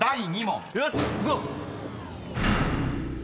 よしっいくぞ。